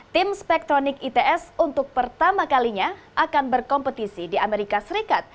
tim spektronik its untuk pertama kalinya akan berkompetisi di amerika serikat